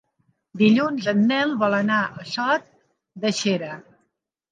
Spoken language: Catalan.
Dilluns en Nel vol anar a Sot de Xera.